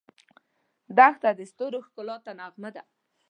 دښته د ستورو ښکلا ته نغمه ده.